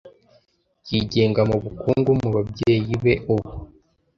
Yigenga mubukungu mubabyeyi be ubu.